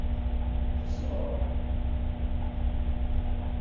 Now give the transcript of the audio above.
Tzemreḍ.